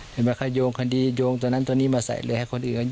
เห็นไหมเขาโยงคดีโยงตัวนั้นตัวนี้มาใส่เลยให้คนอื่น